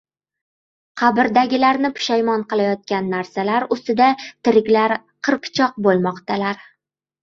Qabrdagilarni pushaymon qilayotgan narsalar ustida tiriklar qirpichoq bo‘lmoqdalar